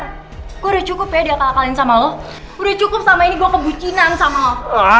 supaya diakalkalin sama lo udah cukup sama ini gue kebucinan sama lo